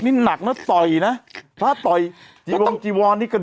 นี่อ่ะนี่นี่เห็นมั้ยล่ะ